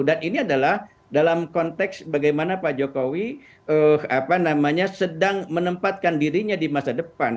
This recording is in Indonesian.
dan ini adalah dalam konteks bagaimana pak jokowi sedang menempatkan dirinya di masa depan